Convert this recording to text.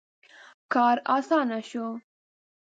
• کار آسانه شو.